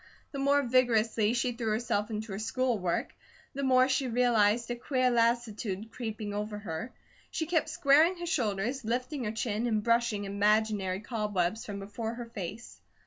The more vigorously she threw herself into her school work, the more she realized a queer lassitude, creeping over her. She kept squaring her shoulders, lifting her chin, and brushing imaginary cobwebs from before her face.